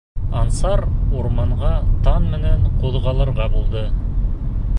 Ансар урманға таң менән ҡуҙғалырға булды.